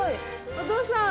お父さん！